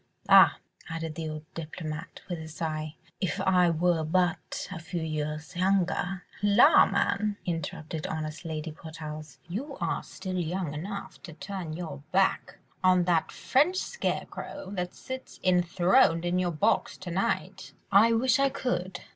Ah!" added the old diplomatist with a sigh, "if I were but a few years younger ..." "La, man!" interrupted honest Lady Portarles, "you are still young enough to turn your back on that French scarecrow that sits enthroned in your box to night." "I wish I could